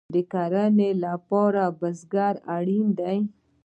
د کرنې لپاره بزګر اړین دی